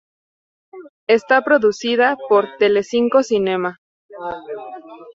Está producida por Telecinco Cinema.